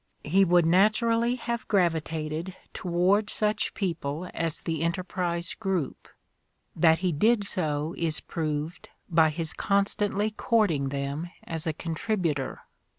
He would naturally have gravitated toward such people as the Enterprise group : that he did so is proved by his constantly court ing them as a contributor.